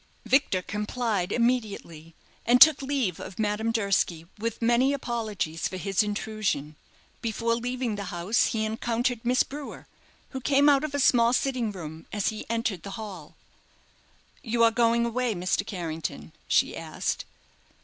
Victor complied immediately, and took leave of Madame Durski with many apologies for his intrusion. Before leaving the house he encountered Miss Brewer, who came out of a small sitting room as he entered the hall. "You are going away, Mr. Carrington?" she asked.